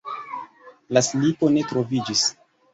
La slipo ne troviĝis.